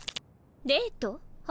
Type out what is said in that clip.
デート？は？